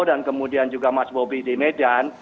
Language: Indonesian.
dan kemudian juga mas bobi di medan